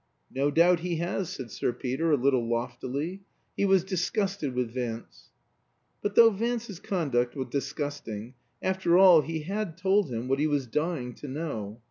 "No doubt he has," said Sir Peter, a little loftily. He was disgusted with Vance. But though Vance's conduct was disgusting, after all he had told him what he was dying to know.